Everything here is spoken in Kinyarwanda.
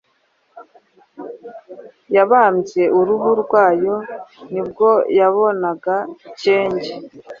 yabambye uruhu rwayo, nibwo yabonaga Cyenge,